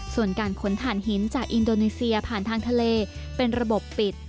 ส่วนการขนถ่านหินจากอินโดนีเซียผ่านทางทะเลเป็นระบบปิด